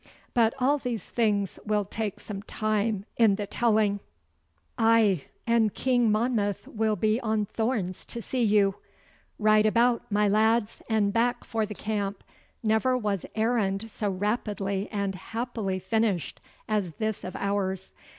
But all these things will take some time in the telling.' 'Aye, and King Monmouth will be on thorns to see you. Right about, my lads, and back for the camp. Never was errand so rapidly and happily finished as this of ours.